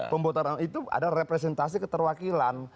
pembocoran itu adalah representasi keterwakilan